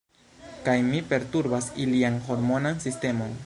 Kaj mi perturbas ilian hormonan sistemon.